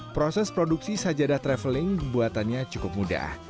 proses produksi sajadah traveling buatannya cukup mudah